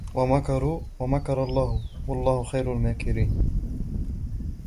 ومكروا ومكر الله والله خير الماكرين